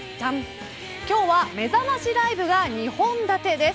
今日はめざましライブが２本立てです。